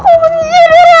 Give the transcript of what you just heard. aku bencin diri aku